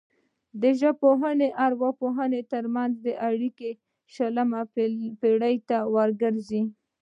د ژبپوهنې او ارواپوهنې ترمنځ اړیکې شلمې پیړۍ ته ورګرځي